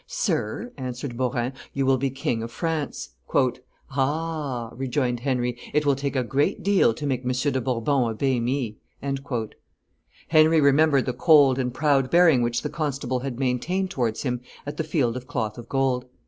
"Sir," answered Beaurain, "you will be King of France." "Ah!" rejoined Henry, "it will take a great deal to make M. de Bourbon obey me." Henry remembered the cold and proud bearing which the constable had maintained towards him at the Field of Cloth of Gold.